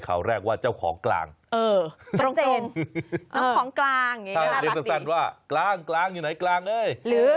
ตรงตรงของกลางถ้าเราเรียกตัดสรรค์ว่ากลางอยู่ไหนกลางเฮ้ย